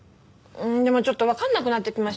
でもちょっとわかんなくなってきました。